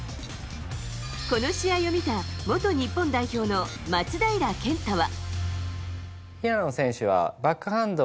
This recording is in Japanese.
この試合を見た元日本代表の松平健太は。